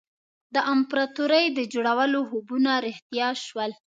د امپراطوري د جوړولو خوبونه رښتیا شول.